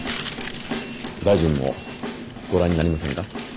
大臣もご覧になりませんか？